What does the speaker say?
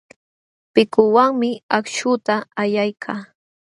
Pikuwanmi akśhuta allaykaa.